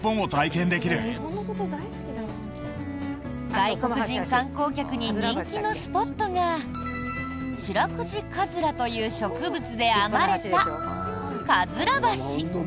外国人観光客に人気のスポットがシラクチカズラという植物で編まれた、かずら橋。